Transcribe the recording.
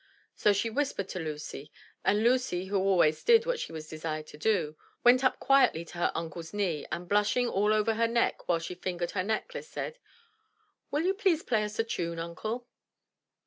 So she whispered to Lucy; and Lucy, who always did what she was desired to do, went up quietly to her uncle's knee, and blushing all over her neck while she fingered her necklace, said, Will you please play us a tune. Uncle?''